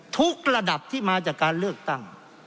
ระดับที่มาจากการเลือกตั้ง